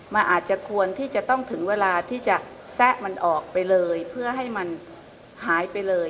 มันอาจจะควรที่จะต้องถึงเวลาที่จะแซะมันออกไปเลยเพื่อให้มันหายไปเลย